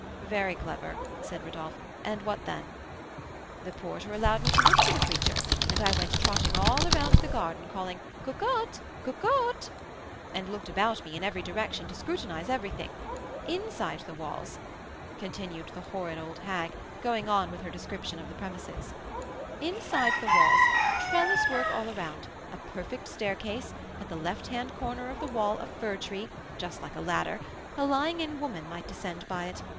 "Very clever," said Rodolph. "And what then?" "The porter allowed me to look for the creature, and I went trotting all around the garden, calling 'Cocotte! Cocotte!' and looked about me in every direction to scrutinise every thing. Inside the walls," continued the horrid old hag, going on with her description of the premises, "inside the walls, trellis work all around, a perfect staircase; at the left hand corner of the wall a fir tree, just like a ladder, a lying in woman might descend by it.